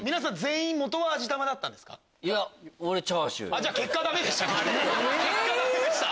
じゃあ結果ダメでしたね。